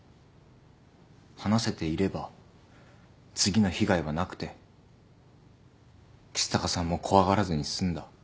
話せていれば次の被害はなくて橘高さんも怖がらずに済んだ。